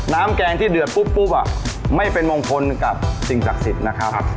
แกงที่เดือดปุ๊บไม่เป็นมงคลกับสิ่งศักดิ์สิทธิ์นะครับ